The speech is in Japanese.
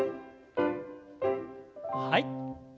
はい。